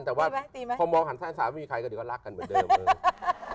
แต่ว่าพอมองหันทางสามีใครก็เดี๋ยวก็รักกันเหมือนเดิมเลย